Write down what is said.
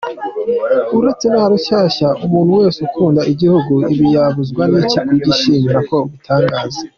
Uretse na Rushyashya, umuntu wese ukunda igihugu, ibi yabuzwa n’iki kubyishimira no kubitangaza !